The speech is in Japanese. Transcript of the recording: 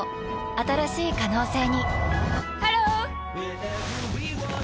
新しい可能性にハロー！